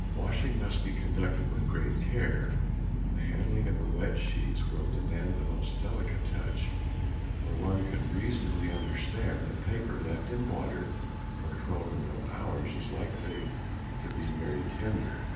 Washing must be conducted with great care; the handling of the wet sheets will demand the most delicate touch, for one can reasonably understand that paper left in water for twelve or more hours is likely to be very tender.